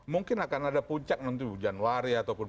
mungkin akan ada puncak nanti hujan warna itu atau ketika itu